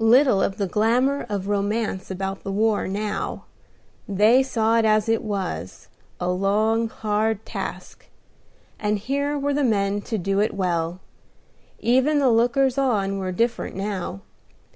Little of the glamour of romance about the war now: they saw it as it was, a long, hard task; and here were the men to do it well. Even the lookers on were different now.